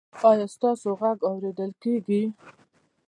ایا ستاسو غږ اوریدل کیږي؟